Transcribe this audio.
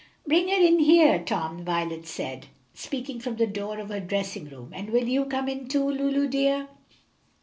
"Bring her in here, Tom," Violet said, speaking from the door of her dressing room. "And will you come in too, Lulu dear?"